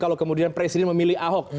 kalau kemudian presiden memilih ahok